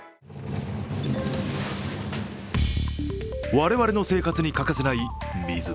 我々の生活に欠かせない水。